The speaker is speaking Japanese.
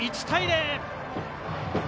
１対０！